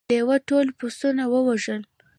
لیوه ټول پسونه وواژه.